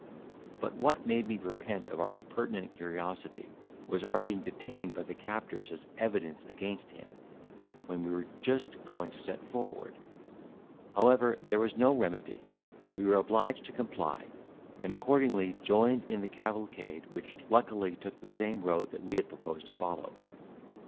But what made me repent of our impertinent curiosity was our being detained by the captors, as evidence against him, when we were just going to set forward. However, there was no remedy; we were obliged to comply, and accordingly joined in the cavalcade, which luckily took the same road that we had proposed to follow.